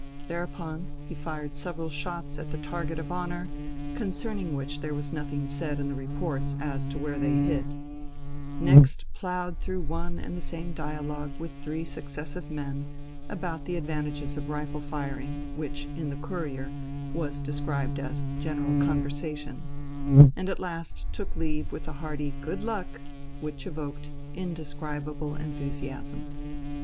Thereupon he fired several shots at the target of honour, concerning which there was nothing said in the reports as to where they hit; next ploughed through one and the same dialogue with three successive men, about the advantages of rifle firing, which in the Courier was described as a "general conversation," and at last took leave with a hearty "Good luck!" which evoked indescribable enthusiasm.